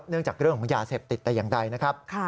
เนื่องจากเรื่องของยาเสพติดแต่อย่างใดนะครับ